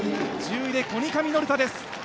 １０位でコニカミノルタです。